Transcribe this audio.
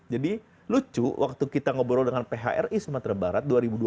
jadi lucu waktu kita ngobrol dengan phri sumatera barat dua ribu dua puluh